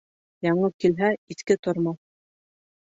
Яңы килһә, иҫке тормаҫ.